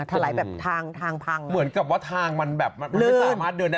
ถลายแบบทางทางพังเหมือนกับว่าทางมันแบบมันไม่สามารถเดินได้